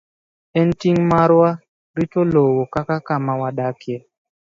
En ting' marwa rito lowo kaka kama wadakie.